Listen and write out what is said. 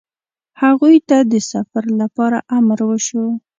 هغوی ته د سفر لپاره امر وشو.